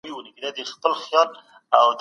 ده د حديث او تفسير زده کړه کړې وه